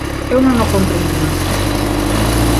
Eu non o comprendía.